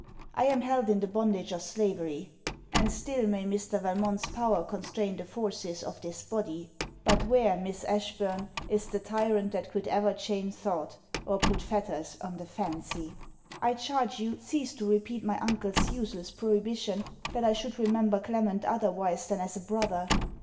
I am held in the bondage of slavery. And still may Mr. Valmont's power constrain the forces of this body. But where, Miss Ashburn, is the tyrant that could ever chain thought, or put fetters on the fancy? I charge you, cease to repeat my uncle's useless prohibition, that I should remember Clement otherwise than as a brother.